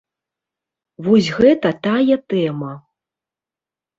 Вось гэта тая тэма.